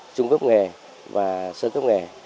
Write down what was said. trung cấp nghề và sơ cấp nghề